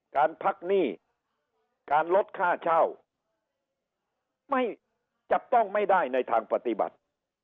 การพักหนี้การลดค่าเช่าไม่จับต้องไม่ได้ในทางปฏิบัติ